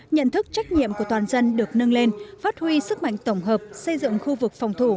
nhận thức trách nhiệm của toàn dân được nâng lên phát huy sức mạnh tổng hợp xây dựng khu vực phòng thủ